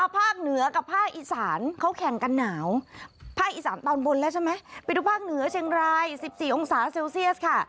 ภาคเหนือกับภาคอีสานเขาแข่งกันหนาวภาคอีสานตอนบนแล้วใช่ไหมไปดูภาคเหนือเชียงราย๑๔องศาเซลเซียสค่ะ